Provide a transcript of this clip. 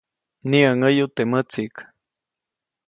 Mniʼäŋäyu teʼ mätsiʼk.